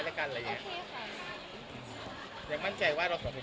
มันเรียกว่าห่างไหมหนูก็ไม่รู้